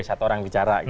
satu orang bicara